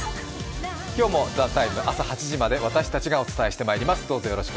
今日も「ＴＨＥＴＩＭＥ，」朝８時まで私たちがお伝えしていきます。